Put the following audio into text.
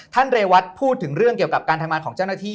เรวัตพูดถึงเรื่องเกี่ยวกับการทำงานของเจ้าหน้าที่